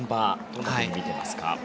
どのように見ていますか。